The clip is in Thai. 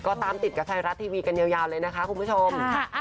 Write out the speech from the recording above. ก็ตามติดกับไทยรัฐทีวีกันยาวเลยนะคะคุณผู้ชม